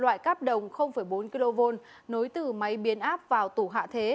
loại cáp đồng bốn kv nối từ máy biến áp vào tủ hạ thế